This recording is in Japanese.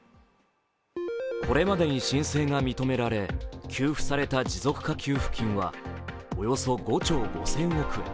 これまでに申請が認められ給付された持続化給付金はおよそ５兆５０００億円。